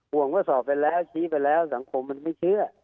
ห่วงว่าสอบไปแล้วชี้ไปแล้วสังคมมันไม่เชื่อ